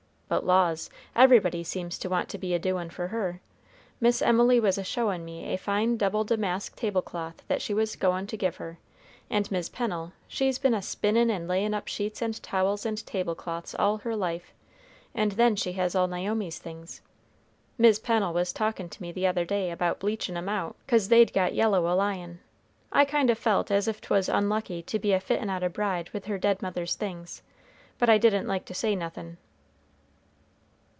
But laws, everybody seems to want to be a doin' for her. Miss Emily was a showin' me a fine double damask tablecloth that she was goin' to give her; and Mis' Pennel, she's been a spinnin' and layin' up sheets and towels and tablecloths all her life, and then she has all Naomi's things. Mis' Pennel was talkin' to me the other day about bleachin' 'em out 'cause they'd got yellow a lyin'. I kind o' felt as if 'twas unlucky to be a fittin' out a bride with her dead mother's things, but I didn't like to say nothin'."